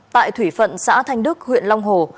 tại thủy phận xã thanh đức huyện long hồ